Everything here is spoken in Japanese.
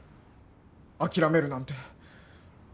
諦めるなんて。